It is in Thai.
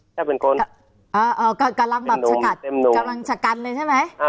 กำลังจะกันเลยใช่ไหม